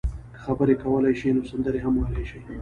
که خبرې کولای شئ نو سندرې هم ویلای شئ.